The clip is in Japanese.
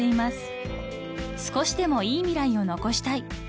［少しでもいい未来を残したい］